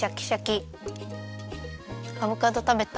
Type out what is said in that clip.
アボカドたべた？